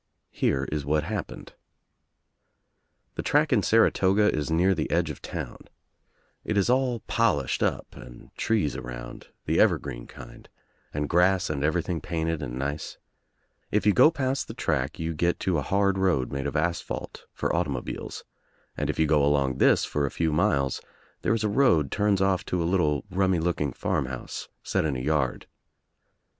Here is what happened, k The track in Saratoga is near the edge of town. It ^^ is all p I and BT I WANT TO KNOW WHY I r I 17 is all polished up and trees around, the evergreen kind, and grass and everything painted and nice. If you go past the track you get to a hard road made of asphalt for automobiles, and if you go along this for a few roiles there is a road turns off to a little rummy looking farm house set in a yard.